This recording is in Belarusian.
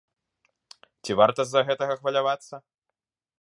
Ці варта з-за гэтага хвалявацца?